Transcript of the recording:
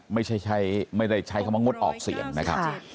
ไม่ได้ใช้คำว่างงดออกเสียงนะครับ